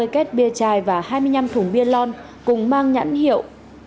ba mươi két bia chai và hai mươi năm thùng bia lon cùng mang nhãn hiệu